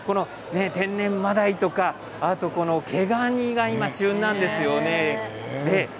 天然マダイとか毛ガニが今、旬なんですよね。